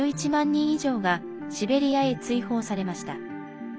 人以上がシベリアへ追放されました。